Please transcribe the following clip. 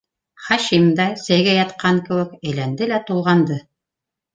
Хашим да, сәйгә ятҡан кеүек, әйләнде лә тулғанды.